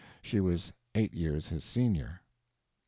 She was eight years his senior.